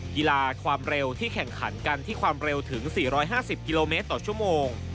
กีฬาความเร็วที่แข่งขันกันที่ความเร็วถึง๔๕๐กิโลเมตรต่อชั่วโมง